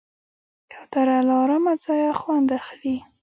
کوتره له آرامه ځایه خوند اخلي.